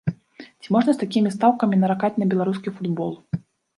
Ці можна з такімі стаўкамі наракаць на беларускі футбол?